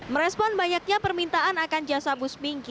merespon banyaknya permintaan akan jasa bus pinky